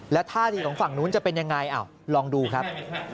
แล้วท่าทีของฝั่งนู้นจะเป็นยังไงลองดูครับ